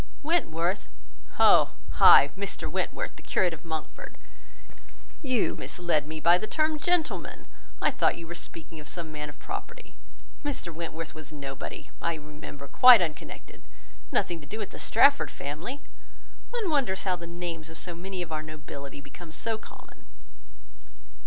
"Wentworth? Oh! ay,—Mr Wentworth, the curate of Monkford. You misled me by the term gentleman. I thought you were speaking of some man of property: Mr Wentworth was nobody, I remember; quite unconnected; nothing to do with the Strafford family. One wonders how the names of many of our nobility become so common."